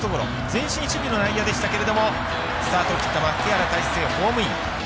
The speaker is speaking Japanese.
前進守備の内野でしたがスタートを切った牧原大成ホームイン。